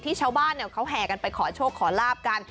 ชาวบ้านเขาแห่กันไปขอโชคขอลาบกัน